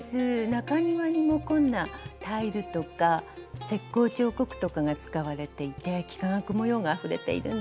中庭にもこんなタイルとか石こう彫刻とかが使われていて幾何学模様があふれているんです。